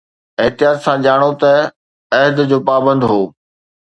احتياط سان ڄاڻو ته عهد جو پابند هو